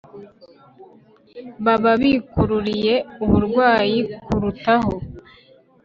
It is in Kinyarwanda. baba bikururiye uburwayi kurutaho